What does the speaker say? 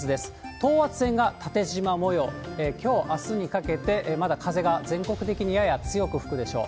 等圧線が縦じま模様、きょう、あすにかけて、まだ風が全国的にやや強く吹くでしょう。